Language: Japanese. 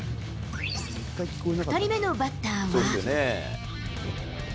２人目のバッターは。